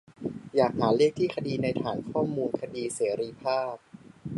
อยากหาเลขที่คดีในฐานข้อมูลคดีเสรีภาพ